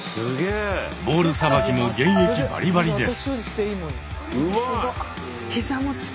ボールさばきも現役バリバリです。